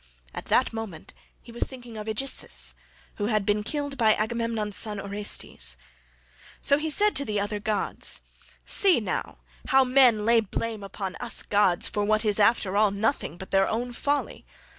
At that moment he was thinking of Aegisthus, who had been killed by Agamemnon's son Orestes; so he said to the other gods: "See now, how men lay blame upon us gods for what is after all nothing but their own folly.